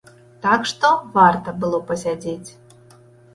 Так што, варта было пасядзець.